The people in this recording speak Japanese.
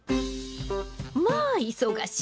ま忙しい！